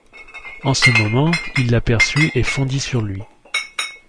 En ce moment, il l’aperçut et fondit sur lui.